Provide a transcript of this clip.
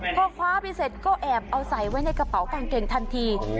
พอคว้าไปเสร็จก็แอบเอาใส่ไว้ในกระเป๋ากางเกงทันที